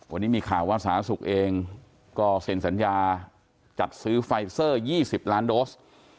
วันนี้มีข่าวว่าสาธารณสุขเองก็เซ็นสัญญาจัดซื้อไฟเซอร์๒๐ล้านโดส